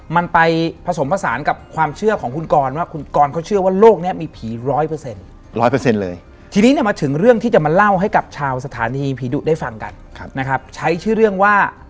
มันแปลกไปแล้ว